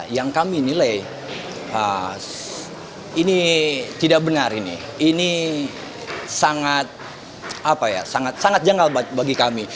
yang kami nilai ini tidak benar ini sangat janggal bagi kami